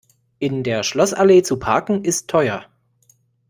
In der Schlossallee zu parken, ist teuer.